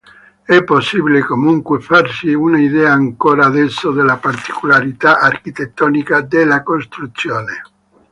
È possibile comunque farsi un'idea ancora adesso della particolarità architettonica della costruzione.